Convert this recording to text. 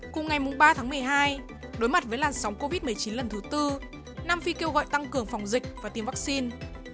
cùng ngày ba tháng một mươi hai đối mặt với làn sóng covid một mươi chín lần thứ tư nam phi kêu gọi tăng cường phòng dịch và tiêm vaccine